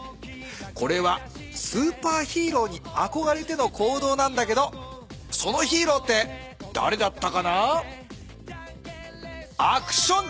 これはスーパーヒーローにあこがれての行動なんだけどそのヒーローってだれだったかな？